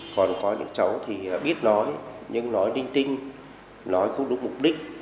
còn có những cháu thì biết nói nhưng nói ninh tinh nói không đúng mục đích